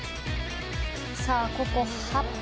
さあ、ここ８分。